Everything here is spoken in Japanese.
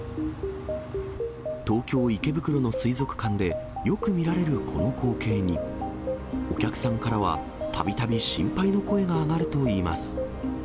東京・池袋の水族館で、よく見られるこの光景に、お客さんからはたびたび心配の声が上がるといいます。